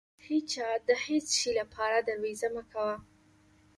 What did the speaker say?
هيچا ته د هيڅ شې لپاره درويزه مه کوه.